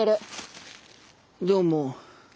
どうも。